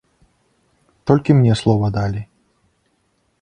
Толькі мне слова далі.